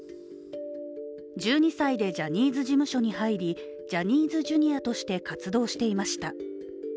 １２歳でジャニーズ事務所に入りジャニーズＪｒ．として活動していました。